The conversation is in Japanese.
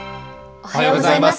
おはようございます。